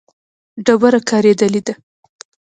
ډبره کارېدلې ده.